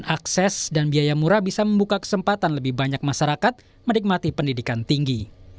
akses dan biaya murah bisa membuka kesempatan lebih banyak masyarakat menikmati pendidikan tinggi